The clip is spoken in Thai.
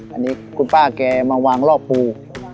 อันนี้คุณป้าแกมาวางรอบปู